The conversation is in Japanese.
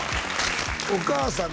お母さん